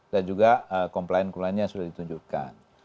dan juga komplain komplainnya sudah ditunjukkan